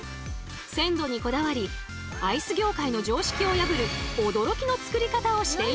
鮮度にこだわりアイス業界の常識を破る驚きの作り方をしているんだとか！